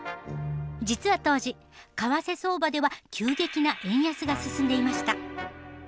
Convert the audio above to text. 実は当時為替相場では急激な円安が進んでいました。